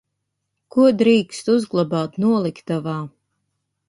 Ko drīkst uzglabāt noliktavā?